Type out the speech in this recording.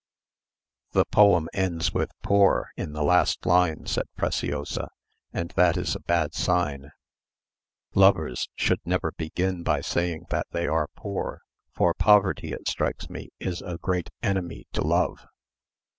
"The poem ends with 'poor' in the last line," said Preciosa; "and that is a bad sign. Lovers should never begin by saying that they are poor, for poverty, it strikes me, is a great enemy to love."